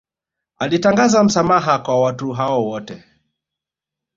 Alitangaza msamaha kwa watu hao wote